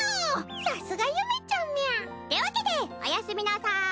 さすがゆめちゃんみゃ！ってわけでおやすみなさい！